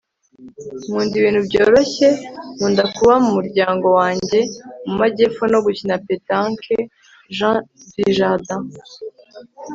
nkunda ibintu byoroshye. nkunda kuba mu muryango wanjye mu majyepfo no gukina petanque. - jean dujardin